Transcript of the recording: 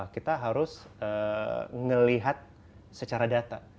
kita harus melihat secara data